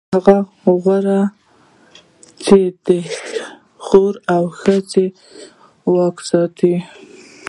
هغه غواړي، چې د خوړو او ښځو واک وساتي.